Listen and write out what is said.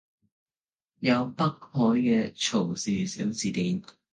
有北海嘅曹氏小字典